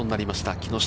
木下。